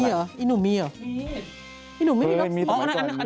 มีเหรออี้หนุ่มมีเหรออี้หนุ่มไม่ดอกซีน